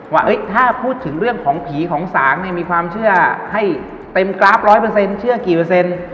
ว่าถ้าพูดถึงเรื่องของผีของสางมีความเชื่อให้เต็มกราฟ๑๐๐เชื่อกี่เปอร์เซ็นต์